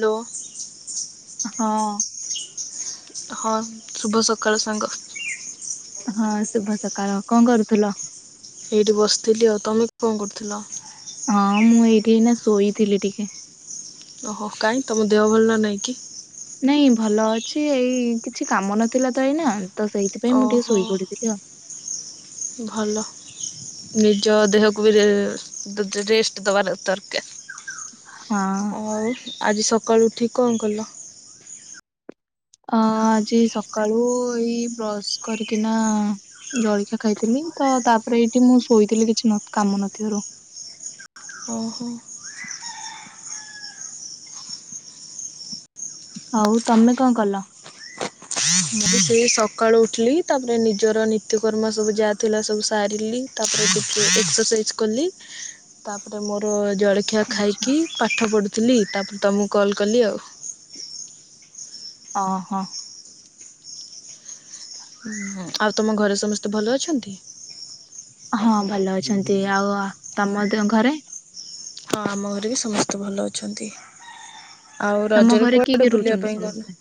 Hello. ହଁ। ହଁ ଶୁଭ ସକାଳ ସାଙ୍ଗ। ହଁ ଶୁଭ ସକାଳ କଣ କରୁଥିଲ? ଏଇଠି ବସିଥିଲି ଆଉ ତମେ କଣ କରୁଥିଲ? ହଁ ମୁଁ ଏଇଠି ଏଇନା ଶୋଇଥିଲି ଟିକେ। ଓହୋ କାଇଁ ତମ ଦେହ ଭଲ ନ ନାଇଁକି? ନାଇଁ ଭଲ ଅଛି ଏଇ କିଛି କାମ ନଥିଲା ତ ଏଇନା। ତ ସେଇଥିପାଇଁ ମୁଁ ଟିକେ ଓହୋ ଶୋଇ ପଡିଥିଲି ଆଉ। ଭଲ। ନିଜ ଦେହକୁ ବିରେଷ୍ଟ ଦେବାଲ ଦରକାର। ହଁ। ଆଉ ଆଜି ସକାଳୁ ଉଠିକି କଣ କଲ? ଅ ଆଜି ସକାଳୁ ଏଇ ବ୍ରଶ କରିକିନା ଜଳଖିଆ ଖାଇଥିଲି ତ ତାପରେ ଏଇଠି ମୁଁ ଶୋଇଥିଲି କିଛି କାମ ନଥିବାରୁ। ଓହୋ। ଆଉ ତମେ କଣ କଲ? ମୁଁ ସେଇ ସକାଳୁ ଉଠିଲି ତାପରେ ନିଜର ନତିୟକର୍ମ ସବୁ ଯାହା ଥିଲା ସବୁ ସାରିଲି। ତାପରେ ଏକ୍ସରସାଇଜି କଲି। ହ ତାପରେ ମୋର ଜଳଖିଆ ଖାଇକି ପାଠ ପଢୁଥିଲି। ତାପରେ ତମକୁ କଲ୍ କଲି ଆଉ। ଅହଁ। ହୁଁ ଆଉ ତମ ଘରେ ସମସ୍ତେ ଭଲ ଅଛନ୍ତି। ହଁ ଭଲ ଅଛନ୍ତି। ଆଉ ତମ ଘରେ? ହଁ ଆମ ଘରେ ବି ସମସ୍ତେ ଭଲ ଅଛନ୍ତି। ଆଉ ତମ ରଜରେ ଘରେ କିଏ କିଏ କୁଆଡେ ବୁଲିବା ରହୁଛନ୍ତି ପାଇଁ ଗଲ? ସମସ୍ତେ?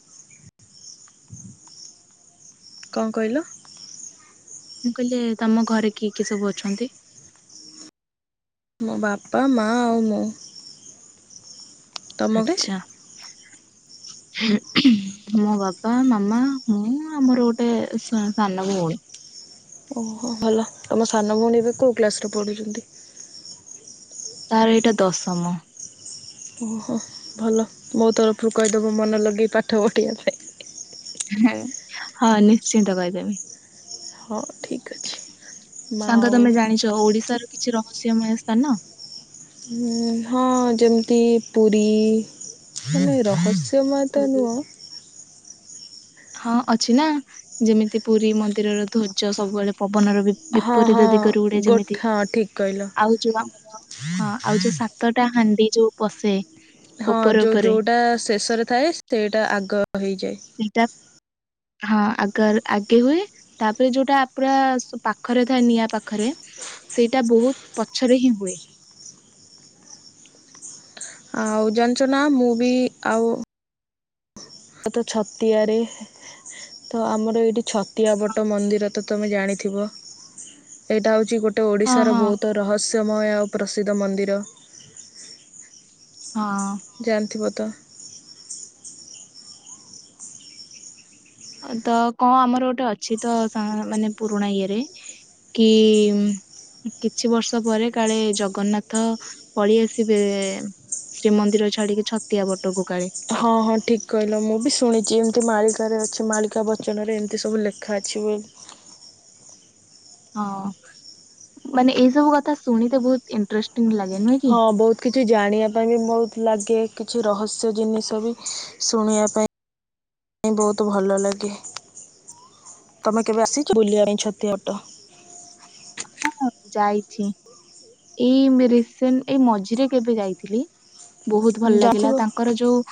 କଣ କହିଲ? ମୁଁ କହିଲି ତମ ଘରେ କିଏ କିଏ ସବୁ ଅଛନ୍ତି। ମୋ ବାପା ମଆ ଆଉ ମୁଁ। ତମ ଘରେ? ଆଛା। ମୋ ବାପା ମାମା ମୁଁ ଆମର ଗୋଟେ ସାନ ଭଉଣୀ। ଓହୋ ଭଲ ତମ ସାନ ଭଉଣୀ ଏବେ କୋଉ କ୍ଲାସ ରେ ପଢୁଛନ୍ତି? ତାର ଏଇଟା ଦଶମ। ଓହୋ ଭଲ ମୋ ତରଫରୁ କହିଦବ ମନ ଲଗେଇ ପାଠ ପଢ଼ିବା ପାଇଁ। ହଁ ନିଶ୍ଚିନ୍ତ କହିଦେବି। ହଁ ଠିକ୍ ଅଛି ମା ସାଙ୍ଗ ଆଉ ତମେ ଜାଣିଛ ଓଡିଶାର କିଛି ରହସ୍ୟମୟ ସ୍ଥାନ। ହଁ ଯେମିତି ପୁରୀ ଆମେ ଆଲୋ ଏ ରହସ୍ୟ ମତ କୋଉଠି? ନୁହଁ। ହଁ ଅଛି ନା ଯେମିତି ପୁରୀ ମନ୍ଦିରର ଧ୍ୱଜ ସବୁବେଳେ ପବନର ବି ହଁ ହଁ ବିପରୀତ ଦିଗରୁ ଉଡେ ଗୋ ଯେମିତି ହଁ ଠିକ୍ କହିଲ। ଆଉ ଯୋଉ ଆମ ହଁ ଆଉ ଯୋଉ ସାତଟା ହାଣ୍ଡି ଯୋଉ ପଶେ ହଁ ଯୋଉ ଯୋଉ ଟା ଶେଷରେ ଥାଏ ସେଇଟା ଆଗ ହେଇଯାଏ। ସେଇଟା ହଁ ଆଗ ଆଗେ ହୁଏ। ତାପରେ ଯୋଉଟା ପୁରା ପାଖରେ ଥାଏ ନିଆଁ ପାଖରେ ସେଇଟା ବହୁତ ପଛରେ ହିଁ ହୁଏ। ଆଉ ଜାଣିଚ ନା ମୁଁ ବି ଆଉ ଆ ତ ଛତିଆରେ ତ ଆମର ଏଇଠି ଛତିଆ ବଟ ମନ୍ଦିର ତ ତମେ ଜାଣିଥିବ ଏଇଟା ହଉଛି ଗୋଟେ ହଁ ଓଡିଶାର ହଁ ବହୁତ ରହସ୍ୟମୟ ଆଉ ପ୍ରସିଦ୍ଧ ମନ୍ଦିର। ହଁ। ଜାଣିଥିବ ତ ତ କଣ ଆମର ଗୋଟେ ଅଛି ତ ମାନେ ପୁରୁଣା ଇଏରେ କି କିଛି ବର୍ଷ ପରେ କାଳେ ଜଗନ୍ନାଥ ପଳେଇଆସିବେ ଶ୍ରୀମନ୍ଦିର ଛାଡିକି ଛତିଆ ବଟକୁ କାଳେ। ହଁ ହଁ ଠିକ୍ କହିଲ ମୁଁ ବି ଶୁଣିଛି ଏମିତି ମାଳିକାରେ ଅଛି ମାଳିକା ବଚନରେ ଏମିତି ସବୁ ଲେଖା ଅଛି ବୋଲି। ହଁ ମାନେ ଏଇ ସବୁ କଥା ଶୁଣେ ବହୁତ ଇଣ୍ଟ୍ରେଷ୍ ଟିଂ ଲାଗେ ନି ହଁ ବହୁତ। କିଛି ଜାଣିବା ପାଇଁ ବି ବହୁତ ଲାଗେ କିଛି ରହସ୍ୟ ଜିନିଷ ବି ଶୁଣିବା ପାଇଁ ପାଇଁ ବହୁତ ଭଲ ଲାଗେ ତମେ କେବେ ଆସି ବୁଲିବା ପାଇଁ ଛତିଆ ବଟ। ହଁ ଯାଇଛି ଏଇ ରିସେଣ୍ଟ ଏଇ ମଝିରେ କେବେ ଯାଇଥିଲି। ବହୁତ ଭଲ ଲାଗିଲା ଜାଣିଥିବ। ତାଙ୍କର ଯୋଉ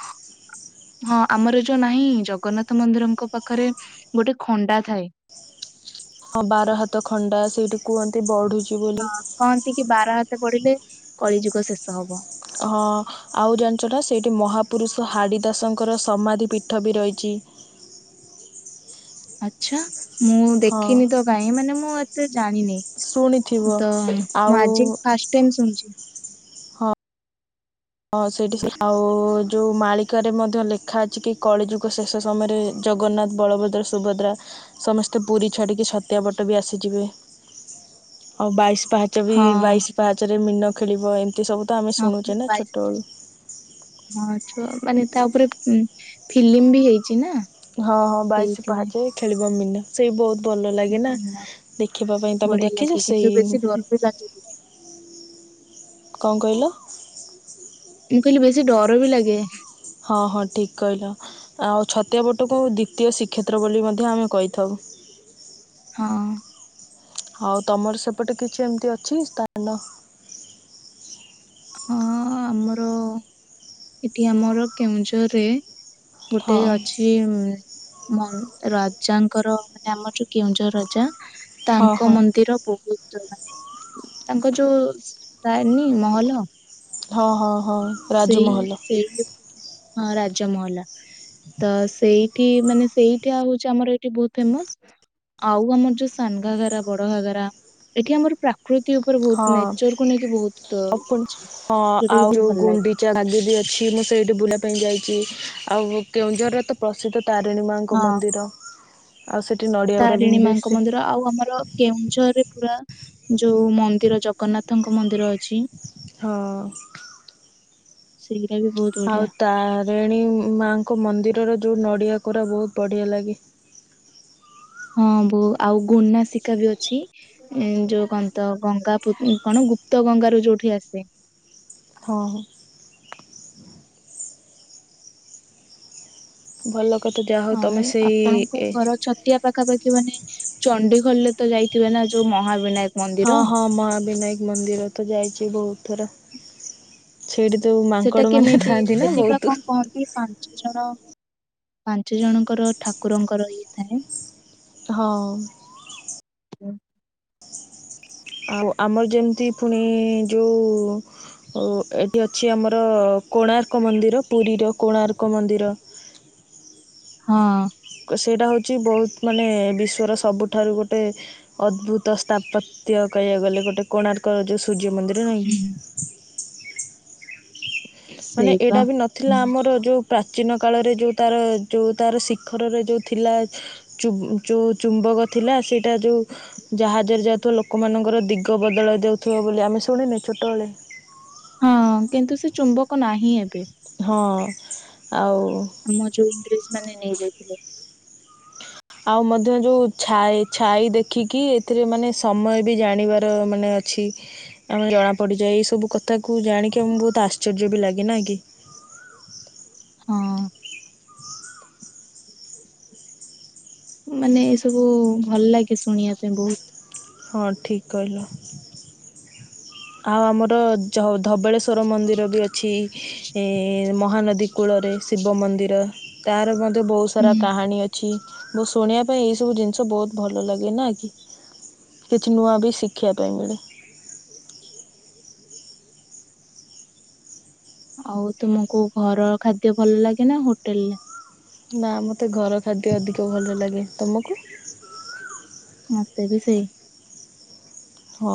ହଁ ଆମର ଯୋଉ ନାହିଁ ଜଗନ୍ନାଥ ମନ୍ଦିରଙ୍କ ପାଖରେ ଗୋଟେ ଖଣ୍ଡା ଥାଏ। ହଁ ବାର ହାତ ଖଣ୍ଡା ସେଇଠି କୁହନ୍ତି ବଢୁଛି। ହଁ କହନ୍ତି କି ବାର ହାତ ବଢିଲେ କଳି ଯୁଗ ଶେଷ ହବ। ହଁ ଆଉ ଜାଣିଛ ନା ସେଇଠି ମହାପୁରୁଷ ହାଡ଼ିଦାସଙ୍କର ସମାଧି ପୀଠ ବି ରହିଛି। ଆଚ୍ଛା ମୁଁ ହଁ ଦେଖିନି ତ କାହିଁ ମାନେ ମୁଁ ଏତେ ଜାଣିନି। ଶୁଣିଥିବ ତ ମୁଁ ଆଉ ଆଜିି ଫାଷ୍ଟ ଟାଇମ୍ ସୁଣୁଛି। ହଁ ହଁ ସେଇଠିକି ସେ ଆଉ ଯୋଉ ମାଳିକାରେ ମଧ୍ୟ ଲେଖା ଅଛି କି କଳି ଯୁଗ ଶେଷ ସମୟରେ ଜଗନ୍ନାଥ ବଳଭଦ୍ର ସୁଭଦ୍ରା ସମସ୍ତେ ପୁରୀ ଛାଡ଼ିକି ଛତିଆ ବଟ ବି ଆସିଯିବେ। ଓ ବାଇଶ ପାହାଚ ଚ ବି ହଁ ବାଇଶି ପାହାଚରେ ମିନ ଖେଳିବ ଏମିତି ସବୁ ତ ଆମେ ହଁ ଶୁଣୁଛେ ନା ଛୋଟବେଳୁ। ହଁଛ ମାନେ ତା ଉପରେ ଫିଲ୍ମ ବି ହେଇଛି ନା। ହଁ ହଁ ବାଇଶ ସେଇଥିପାଇଁ ପାହାଚେ ଖେଳିବ ମିନ। ସେଇ ବହୁତ ଭଲ ଲାଗେ ନା ଭିନ୍ନ। ଦେଖିବା ପାଇଁ ତମେ ବଢିଆ ଦେଖିଛ ଲାଗେ କିନ୍ତୁ ସେଇ ବେଶୀ ଡର ବି ଲାଗେ ଟିକେ। କଣ କହିଲ? ମୁଁ କହିଲି ବେଶୀ ଡର ବି ଲାଗେ। ହଁ ହଁ ଠିକ କହିଲ। ଆଉ ଛତିଆ ବଟକୁ ଦ୍ୱିତୀୟ ଶ୍ରୀକ୍ଷେତ୍ର ବୋଲି ମଧ୍ୟ ଆମେ କହିଥାଉ। ହଁ। ହଉ ତମର ସେପଟେ କିଛି ଏମିତି ଅଛି ସ୍ଥାନ ହଁ ଆମର ଏଠି ଆମର କେଉଁଝରରେ ଗୋଟେ ହଁ ଅଛି ରାଜାଙ୍କର ମାନେ ଆମ ଯୋଉ କେଉଁଝର ରାଜା ହଁ ତାଙ୍କ ହଁ ମନ୍ଦିର ବହୁତ [unintelligible] ତାଙ୍କ ଯୋଉ ତାରନୀ ମହଲ ହଁ- ହଁ- ହଁ। ସେଇ ରାଜମହଲ ସେଇ ହଁ ରାଜମହଲା। ତ ସେଇଠି ମାନେ ସେଇଟା ହଉଛି ଆମର ଏଇଠି ବହୁତ ଫେମସ। ଆଉ ଆମର ଯୋଉ ସାାନଘାଗରା ବଡଘାଗରା, ଏଠି ଆମର ପ୍ରା ପ୍ରକୃତି ଉପରେ ବହୁତ ହଁ। ନେଚରକୁୁ ନେଇକି ବହୁତ ଆଉ ଇଏ ପୁଣି ଅଛି, ହଁ ଯୋଉଟା ଆଉ କି ଯୋଉ ବହୁତ ଭଲ ଲାଗେ। [unintelligible] ଅଛି ମୁଁ ସେଇଠି ବୁଲିବା ପାଇଁ ଯାଇଛି, ଆଉ କେଉଁଝରର ତ ପ୍ରସିଦ୍ଧ ତାରିଣୀ ମାଆଙ୍କ ହଁ ମନ୍ଦିର, ଆଉ ସେଠି ନଡି ତାରିଣୀ ମାଆଙ୍କ ମନ୍ଦିର, ଆଉ ଆମର କେଉଁଝରରେ ପୁରା, ଯୋଉ ମନ୍ଦିର ଜଗନ୍ନାଥଙ୍କ ମନ୍ଦିର ଅଛି ହଁ। ସେଇଟା ବି ବହୁତ ବଢିଆ ଆଉ ତାରିଣୀ ମାଙ୍କ ମନ୍ଦିରର ଯୋଉ ନଡ଼ିଆ କୋରା ବହୁତ ବଢିଆ ଲାଗେ। ହଁ ବୋ ଆଉ ଗୁନାସିକା ବି ଅଛି। ଯୋଉ କଣ ତ ଗଙ୍ଗା କଣ ଗୁପ୍ତ ଗଙ୍ଗାରୁ ଯୋଉଠି ଆସେ। ହଁ। ଭଲ କଥା, ଯାହା ହଉ ତମେ ସେଇ ଏ ରିଆ ପାଖାପାଖି ମାନେ ଚଣ୍ଡିଗୋଲ ରେ ତ ଯାଇଥିବେ ନା, ଯୋଉ ମହାବିନାୟକ ମନ୍ଦିର। ହଁ- ହଁ ମହାବିିନାୟକ ମନ୍ଦିର ତ ଯାଇଛି ବହୁତ ଥର। ସେଇଠି ତ ମାଙ୍କଡ ମାନେ ଥାଆନ୍ତି ନା ବହୁତ। ହଁ ସେଇ। [unintelligible] ପାଞ୍ଚ ଜଣ ପାଞ୍ଚ ଜଣଙ୍କର ଠାକୁରଙ୍କର ଇଏ ଥାଏ। ହଁ। ଆଉ ଆମର ଯେମିତି ପୁଣି ଯୋଉ ଓ ଏଠି ଅଛି ଆମର କୋଣାର୍କ ମନ୍ଦିର, ପୁରୀର କୋଣାର୍କ ମନ୍ଦିର। ହଁ। ସେଇଟା ହେଉଛି ବହୁତ, ମାନେ ବିଶ୍ୱର ସବୁଠାରୁ ଗୋଟେ ଅଦ୍ଭୁତ ସ୍ଥାପତ୍ୟ କହିବାକୁ ଗଲେ, ଗୋଟେ କୋଣାର୍କ ଯୋଉ ସୂର୍ଯ୍ୟ ମନ୍ଦିର ନାହିଁ କିି। ମାନେ ସେଇପା। ଏଇଟା ବି ନଥିଲା ଆମର ଯୋଉ ପ୍ରାଚୀନ କାଳରେ ଯୋଉ ତାର, ଯୋଉ ତାର ଶିଖରରେ ଯୋଉ ଥିଲା ଚୁ- ଚୁ ଚୁମ୍ବକ ଥିଲା, ସେଇଟା ଯୋଉ ଜାହାଜରେ ଯାଉଥିବା ଲୋକମାନଙ୍କର ଦିଗ ବଦଳାଇ ଦେଉଥିବ ବୋଲି, ଆମେ ଶୁଣିନେ ଛୋଟବେଳେ? ହଁ କିନ୍ତୁ ସେ ଚୁମ୍ବକ ନାହିଁ ଏବେ। ହଁ ଆଉ ଆମ ଯୋଉ ଇଂରେଜ ମାନେ ନେଇଯାଇଥିଲେ। ଆଉ ମଧ୍ୟ ଯୋଉ ଛାଇ ଛାଇ ଦେଖିକି, ଏଥିରେ ମାନେ ସମୟ ବି ଜାଣିବାର ମାନେ ଅଛି। ଆଉ ଜଣା ପଡିଯାଏ, ଏଇ ସବୁ କଥାକୁ ଜାଣିକି ଆମକୁ ବହୁତ ଆଶ୍ଚର୍ଯ୍ୟ ବି ଲାଗେ ନା କି? ହଁ। ମାନେ ଏ ସବୁ ଭଲ ଲାଗେ ଶୁଣିବା ପାଇଁ ବହୁତ। ହଁ ଠିକ୍ କହିଲ। [inaudible] ଆଉ ଆମର ଧବଳେଶ୍ୱର ମନ୍ଦିର ବି ଅଛି, ମହାନଦୀ କୂଳରେ ଶିବ ମନ୍ଦିର, ତାର ମଧ୍ୟ ରେ ବହୁତ ସାରା ହୁଁ। କାହାଣୀ ଅଛି। ମୁଁ ଶୁଣିବା ପାଇଁ ଏଇ ସବୁ ଜିନିଷ ବହୁତ ଭଲ ଲାଗେ ନା କି? କିଛି ନୂଆ ବି ଶିଖିବା ପାଇଁ ମିଳେ। ଆଉ ତୁମକୁ ଘର ଖାଦ୍ୟ ଭଲ ଲାଗେ ନା ହୋଟେଲରେ? ନା ମତେ ଘର ଖାଦ୍ୟ ଅଧିକ ଭଲ ଲାଗେ। ତମକୁ? ମତେ ବି ସେଇ। ହଁ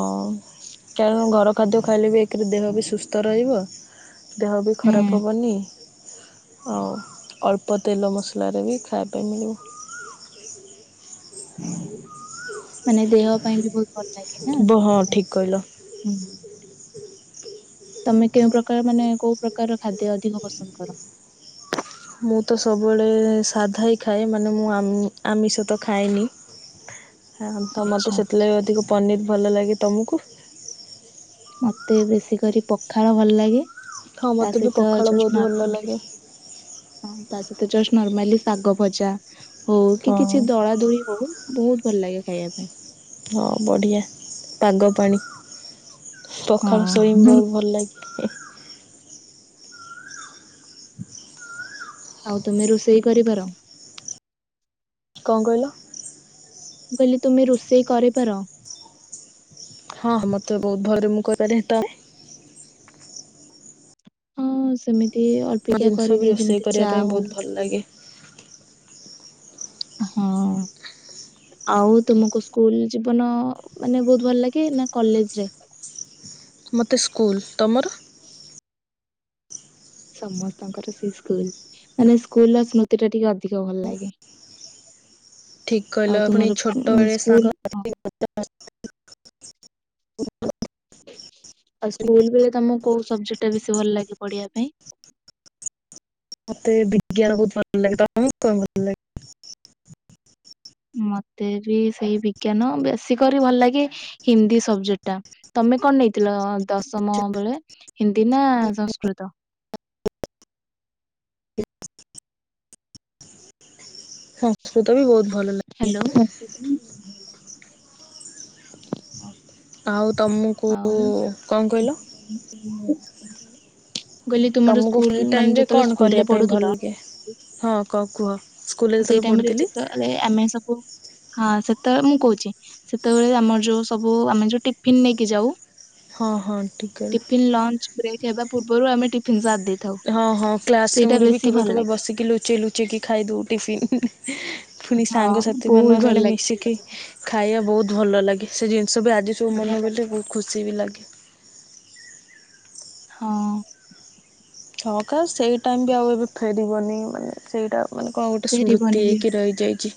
କାରଣ ଘର ଖାଦ୍ୟ ଖାଇଲେ ବି ଏକରେ ଦେହ ବି ସୁସ୍ଥ ରହିବ। ଦେହ ବି ହୁଁ। ଖରାପ ହବନି ଆଉ ଅଳ୍ପ ତେଲ ମସଲାରେ ବି ଖାଇବା ପାଇଁ ମିଳିବ। ମାନେ ଦେହ ପାଇଁ ବି ବହୁତ ଭଲ ଲାଗେ। ନା ବ ହଁ ସେଇଥିପାଇଁ। ଠିକ କହିଲ। ତମେ କେଉଁ ପ୍ରକାର ମାନେ କୋଉ ପ୍ରକାର ପ୍ରକାର ଖାଦ୍ୟ ଅଧିକ ପସନ୍ଦ କର? ମୁଁ ତ ସବୁବେଳେ ସାଧା ହିଁ ଖାଏ। ମାନେ ମୁଁ ଆମ୍ ଆମିଷ ତ ଖାଏନି। ହଁ ତ ମତେ ଆଚ୍ଛା ସେଥିଲାଗି ଅଧିକ ପନିର ଭଲ ଲାଗେ। ତମକୁ? ମତେ ବେଶୀ କରି ପଖାଳ ଭଲ ଲାଗେ। ହଁ ତା ମୋତେ ବି ସହିତ ପଖାଳ ବହୁତ ଯଷ୍ଟ ଭଲ ଲାଗେ ହଁ ତା ସହିତ ଜଷ୍ଟ ନର୍ମାଲି ଶାଗ ଭଜା ହଉ କି ହଁ କିଛି ଦଳା ଦଳି ହଉ ବହୁତ ଭଲ ଲାଗେ ଖାଇବା ପାଇଁ। ହଁ ବଢ଼ିଆ ପାଗ ପାଣି ପଖାଳ ଶୋଇମି ହଁ। ବହୁତ ଭଲ ଲାଗେ। ହ। ଆଉ ତୁମେ ରୋଷେଇ କରିପାର? କଣ କହିଲ? ମୁଁ କହିଲି ତୁମେ ରୋଷେଇ କରିପାର? ହଁ ମତେ ବହୁତ ଭଲରେ ମୁଁ କରିପାରେ ତ ହଁ ସେମିତି ମୋ ଅଳ୍ପିକା ଜିନିଷ ବି କରିଦିଏ ରୋଷେଇ ଯେମିତି କରିବା ଚା ପାଇଁ ହଉ ବହୁତ ଲାଗେ। ହଁ। ଆଉ ତୁମକୁ ସ୍କୁଲ ଜୀବନ ମାନେ ବହୁତ ଭଲ ଲାଗେ ନା କଲେଜରେ? ମୋତେ ସ୍କୁଲ ତମର? ସମସ୍ତଙ୍କର ସେଇ ସ୍କୁଲ ମାନେ ସ୍କୁଲର ସ୍ମୃତି ଟା ଟିକେ ଅଧିକ ଭଲ ଲାଗେ। ଠିକ କହିଲ ଆଉ ପୁଣି ତୁମର ଛୋଟବେଳେ ସାଙ୍ଗ ସ୍କୁଲ [unintelligible] ଆଉ ସ୍କୁଲ ବେଳେ ତମକୁ କୋଉ ସବଜେକ୍ଟ ଟା ବେଶୀ ଭଲ ଲାଗେ ପଢିବା ପାଇଁ? ମତେ ବିଜ୍ଞାନ ବହୁତ ଭଲ ଲାଗେ। ତମୁକୁ କଣ ଭଲ ଲାଗେ? ମତେ ବି ସେଇ ବିଜ୍ଞାନ ବେଶୀ କରି ଭଲ ଲାଗେ ହିନ୍ଦୀ ସବଜେକ୍ଟ ଟା। ତମେ କଣ ନେଇଥିଲ ଦଶମ ବେଳେ ହିନ୍ଦୀ ନା ସଂସ୍କୃତ? ସଂସ୍କୃତ ବି ବହୁତ ଭଲ ଲାଗେ। [unintelligible] ଆଉ ତମକୁ ଆଉ କଣ କହିଲ? ମୁଁ କହିଲି ତୁମର ତମକୁ ଫ୍ରି ସ୍କୁଲ ମାନେ ଟାଇମ ରେ ଯେତେବେଳେ କଣ ସ୍କୁଲ ରେ କରିବା ପାଇଁ ଭଲ ପଢୁଥୁଲ ଲାଗେ? ହଁ କଣ କୁହ? ସ୍କୁଲରେ ସେଇ ଯେତେବେଳେ ଟାଇମର ପଢୁଥିଲି ଯେତେବେଳେ ଆମେ ସବୁ ହଁ ସେତେବେଳେ ମୁଁ କହୁଛି ସେତେବେଳେ ଆମର ଯୋଉ ସବୁ ଆମେ ଯୋଉ ଟିଫିିନ ନେଇକି ଯାଉ ହଁ ହଁ ଠିକ କହିଲ। ଟିଫିନ୍ ଲଞ୍ଚ ବ୍ରେକ୍ ହେବା ପୂର୍ବରୁ ଆମେ ଟିଫିନ ଦେଇଥାଉ ହଁ ହଁ କ୍ଲାସ ସେଇଟା ରୁମ ରେ ବି ବେଶୀ କେବେ ଭଲ କେବେ ଲାଗେ। ବସିକି ଲୁଚେଇ ଲୁଚେଇକି ଖାଇଦଉ ଟିଫନ୍। ପୁଣି ହଁ ସାଙ୍ଗସାଥି ବହୁତ ମାନଙ୍କ ଭଲ ସାରେ ଲାଗେ ସେଇଗୁଡା ମିଶିକି ସବୁ ଖାଇବା ବହୁତ ଭଲ ଲାଗେ ସେ ଜିନିଷ ବି ଆଜି ସବୁ ବଢିଆ ମନ ବୋ ଲାଗେ ବହୁତ ଖୁସି ବି ଲାଗେ। ହଁ। ଛକା ସେଇ ଟାଇମ ବି ଆଉ ଏବେ ଫେରିବନି ମାନେ ସେଇଟା ମାନେ କଣ ଗୋଟେ ଫେରିବନି ସ୍ମୃତି ବି। ହେଇକି ରହିଯାଇଛି।